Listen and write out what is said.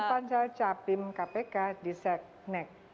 pancel capim kpk di setnek